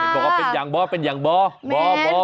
บอกว่าเป็นยังบ่ะเป็นยังบ่ะ